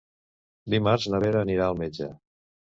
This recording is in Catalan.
Dimarts na Vera anirà al metge.